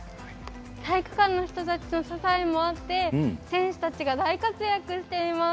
体育館の人たちの支えもあって選手たちが大活躍しています。